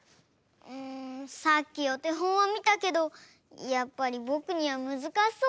んさっきおてほんをみたけどやっぱりぼくにはむずかしそうだよ。